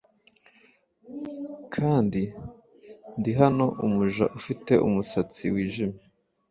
kandi ndi hano, umuja ufite umusatsi wijimye